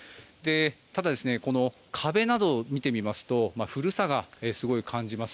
ただ、壁などを見てみますと古さをすごい感じます。